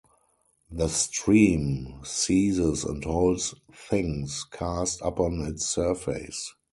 The stream seizes and holds things cast upon its surface.